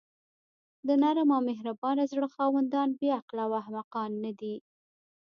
د نرم او مهربانه زړه خاوندان بې عقله او احمقان ندي.